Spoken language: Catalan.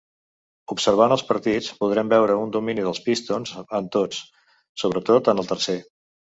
Observant els partits, podrem veure un domini dels Pistons en tots, sobretot en el tercer.